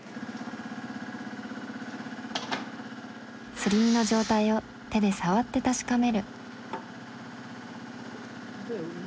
すり身の状態を手で触って確かめる。